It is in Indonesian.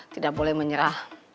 tidak boleh menyerah